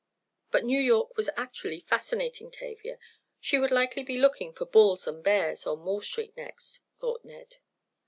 But New York was actually fascinating Tavia. She would likely be looking for "bulls and bears" on Wall Street next, thought Ned.